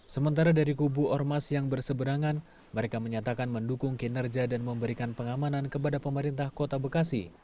sementara dari kubu ormas yang berseberangan mereka menyatakan mendukung kinerja dan memberikan pengamanan kepada pemerintah kota bekasi